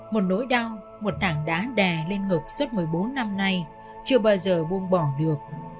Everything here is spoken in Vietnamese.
một nỗi đau một thảng đá đè lên ngực suốt một mươi bốn năm nay chưa bao giờ buông bỏ được